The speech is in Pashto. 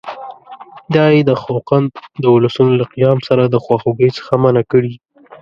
دا یې د خوقند د اولسونو له قیام سره د خواخوږۍ څخه منع کړي.